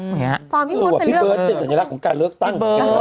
พี่เบิร์ดเป็นสัญลักษณ์ของการเลือกตั้งอย่างนี้ครับ